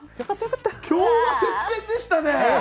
今日は接戦でしたね。